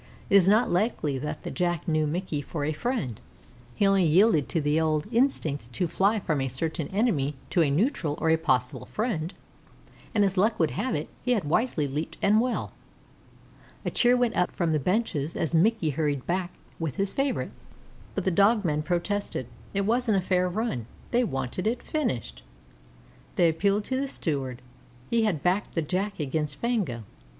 It is not likely that the Jack knew Mickey for a friend; he only yielded to the old instinct to fly from a certain enemy to a neutral or a possible friend, and, as luck would have it, he had wisely leaped and well. A cheer went up from the benches as Mickey hurried back with his favorite. But the dog men protested "it wasn't a fair run they wanted it finished." They appealed to the Steward. He had backed the Jack against Fango.